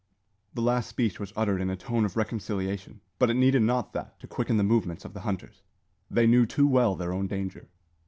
The last speech was uttered in a tone of reconciliation; but it needed not that to quicken the movements of the hunters. They knew too well their own danger.